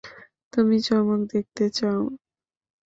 তুমি চমক দেখতে চাও?